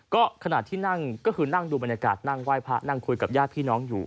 ก็ขณะที่นั่งก็คือนั่งดูบรรยากาศนั่งไหว้พระนั่งคุยกับญาติพี่น้องอยู่